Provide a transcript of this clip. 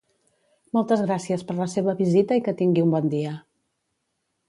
Moltes gràcies per la seva visita i que tingui un bon dia